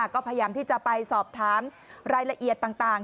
ก็พยายามที่จะไปสอบถามรายละเอียดต่าง